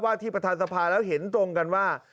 ที่ประธานสภาแล้วเห็นตรงกันว่า